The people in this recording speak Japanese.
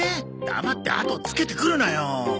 黙ってあとつけてくるなよ。